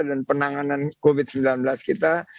dan penanganan covid sembilan belas kita